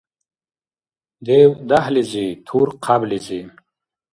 Дев–дяхӀлизи, тур–хъяблизи.